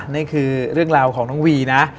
นี่คือเรื่องราวของน้องวีนะ